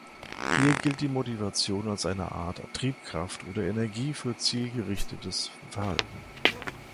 Hier gilt die Motivation als eine Art Triebkraft oder Energie für zielgerichtetes Verhalten.